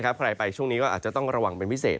ใครไปช่วงนี้ก็อาจจะต้องระวังเป็นพิเศษ